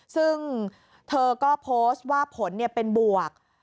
ซึ่งเธอก็โพสต์ว่าผลเป็นบวก